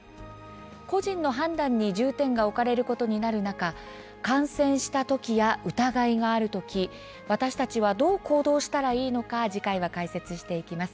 個人の判断に重点が置かれることになる中感染した時や疑いがある時私たちはどう行動したらいいのか次回は解説します。